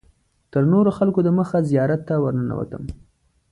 تر نورو خلکو دمخه زیارت ته ورننوتم.